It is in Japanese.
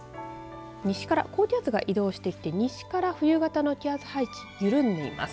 西から高気圧が移動してきて西から冬型の気圧配置緩んでいます。